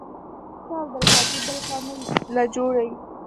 ته او عبدالهادي بل کار له جوړ يې.